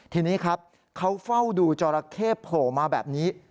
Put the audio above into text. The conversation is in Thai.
ทีนี้ครับเขาเฝ้าดูจอราเข้โผล่มาแบบนี้